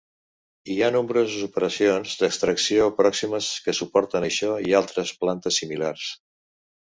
Hi ha nombroses operacions d'extracció pròximes que suporten això i altres plantes similars.